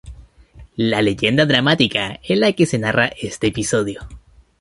Leyenda dramática" en la que narra este episodio.